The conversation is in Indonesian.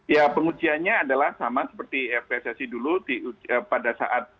ya pengujiannya adalah sama seperti pssi dulu pada saat